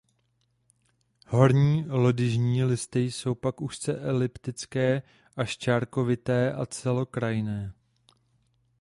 Horní lodyžní listy jsou pak úzce eliptické až čárkovité a celokrajné.